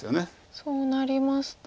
そうなりますと。